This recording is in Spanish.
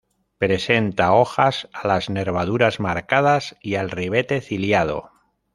Presenta hojas a las nervaduras marcadas y al ribete ciliado.